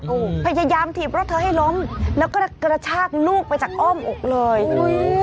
โอ้โหพยายามถีบรถเธอให้ล้มแล้วก็กระชากลูกไปจากอ้อมอกเลยอุ้ย